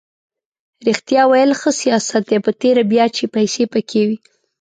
ریښتیا ویل ښه سیاست دی په تېره بیا چې پیسې پکې وي.